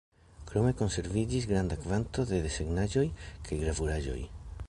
Krome konserviĝis granda kvanto de desegnaĵoj kaj gravuraĵoj.